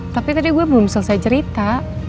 tapi tadi gue belum selesai cerita